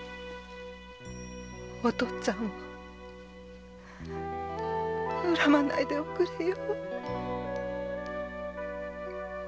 お父っつぁんを恨まないでおくれよ。